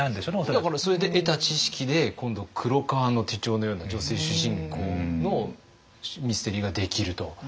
だからそれで得た知識で今度「黒革の手帖」のような女性主人公のミステリーができると。